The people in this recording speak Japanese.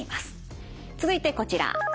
続いてこちら。